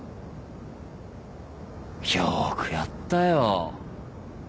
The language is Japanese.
よーくやったよ。